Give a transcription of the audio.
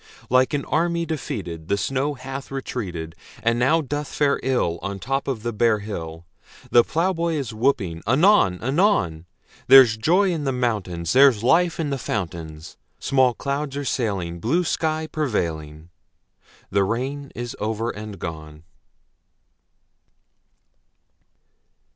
Like an army defeated The snow hath retreated, And now doth fare ill On the top of the bare hill; The plowboy is whooping anon anon: There's joy in the mountains; There's life in the fountains; Small clouds are sailing, Blue sky prevailing; The rain is over and gone!